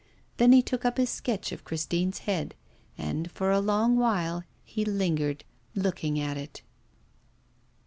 Then he took up his sketch of Christine's head and for a long while he lingered looking at it.